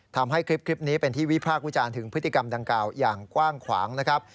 ทำให้คลิปนี้เป็นที่วิพากษ์วิจารณ์ถึงพฤติกรรมดังกล่าวอย่างกว้างขวางนะครับ